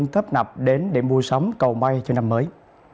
thấp nập đến để mua sống cầu mai cho năm mới